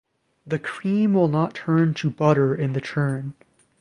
The cream will not turn to butter in the churn.